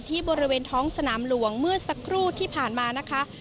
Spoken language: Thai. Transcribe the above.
บริเวณท้องสนามหลวงเมื่อสักครู่ที่ผ่านมานะคะ